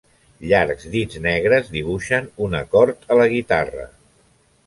Llargs dits negres dibuixen un acord a la guitarra.